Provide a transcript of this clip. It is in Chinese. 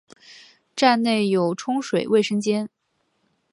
站内有冲水卫生间。